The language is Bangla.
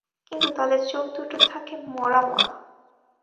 কিন্তু, তাদের চোখদুটো থাকে মরা মরা।